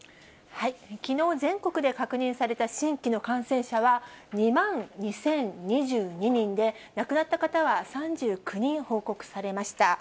きのう、全国で確認された新規の感染者は２万２０２２人で、亡くなった方は３９人報告されました。